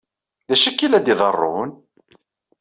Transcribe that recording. D acu akka ay la iḍerrun?